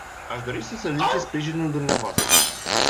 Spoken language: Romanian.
Aș dori să solicit sprijinul dumneavoastră.